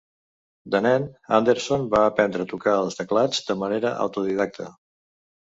De nen, Andersson va aprendre a tocar els teclats de manera autodidacta.